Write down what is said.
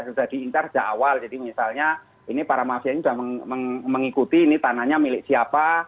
sudah diincar sejak awal jadi misalnya ini para mafia ini sudah mengikuti ini tanahnya milik siapa